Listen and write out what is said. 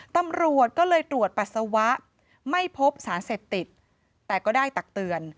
ตำรวจก็เลยตรวจปัสสาวะไม่พบสารเสพติดแต่ก็ได้ตักเตือน